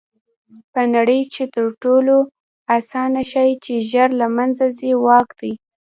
په نړۍ کښي تر ټولو آسانه شى چي ژر له منځه ځي؛ واک دئ.